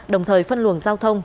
đồng thời phân luồng giao thông